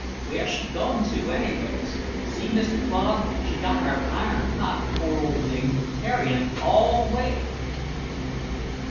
"Where's she goin' to, anyways? See, Mr. Claude, she's got her iron cook pot, pore old thing, carryin' it all the way!"